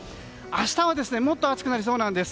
明日はもっと暑くなりそうなんです。